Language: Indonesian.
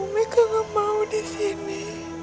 meka gak mau disini